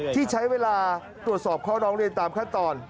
ที่ใช้เวลาตรวจสอบข้อร้องเรียนตามขั้นตอน